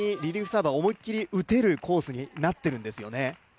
サーバーを思い切り打てるコースになっているんですよね。